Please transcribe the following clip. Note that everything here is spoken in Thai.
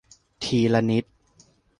ทีละนิด